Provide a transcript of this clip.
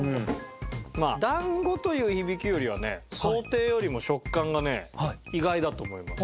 「だんご」という響きよりはね想定よりも食感がね意外だと思います。